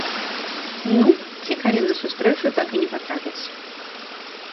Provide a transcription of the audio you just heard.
Ну, ці калі на сустрэчу так і не патрапяць.